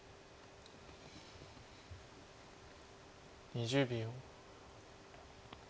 ２０秒。